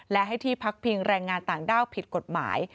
และให้ที่พักพิงแรงงานต่างด้าวผิดกฎหมาย